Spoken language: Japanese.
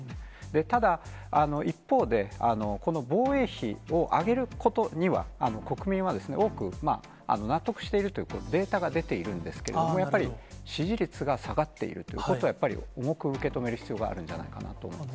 ただ、一方でこの防衛費を上げることには、国民は多く、納得しているというデータが出ているんですけど、やっぱり支持率が下がっているということを、重く受け止める必要があるんじゃないかなと思います。